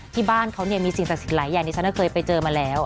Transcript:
ที่บ้านเขาเนี่ยมีสิ่งสักสิ่งหลายอย่างที่ฉันเคยไปเจอมาแล้ว